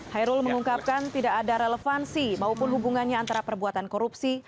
hairul mengungkapkan tidak ada relevansi maupun hubungannya antara perbuatan korupsi